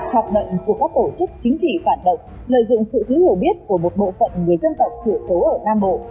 học mệnh của các tổ chức chính trị phản động lợi dụng sự thư hiểu biết của một bộ phận người dân tộc thủ số ở nam bộ